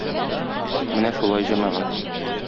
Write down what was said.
Менә шулай, җәмәгать.